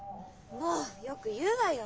もうよく言うわよ。